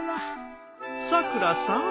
・さくらさん。